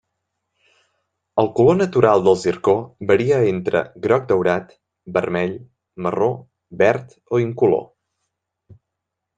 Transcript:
El color natural del zircó varia entre groc-daurat, vermell, marró, verd o incolor.